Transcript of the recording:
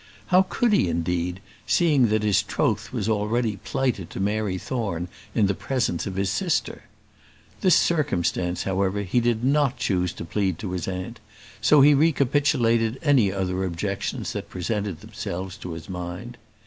How could he, indeed, seeing that his troth was already plighted to Mary Thorne in the presence of his sister? This circumstance, however, he did not choose to plead to his aunt, so he recapitulated any other objections that presented themselves to his mind.